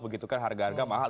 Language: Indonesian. begitukan harga harga mahal